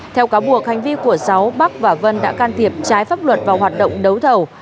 theo cáo buộc hành vi của sáu bắc và vân đã can thiệp trái pháp luật vào hoạt động đấu thầu